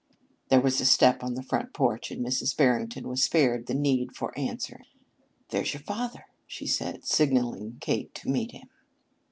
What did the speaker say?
There was a step on the front porch and Mrs. Barrington was spared the need for answering. "There's your father," she said, signaling Kate to meet him.